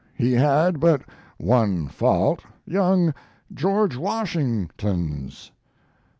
He had but one fault young George Washington's.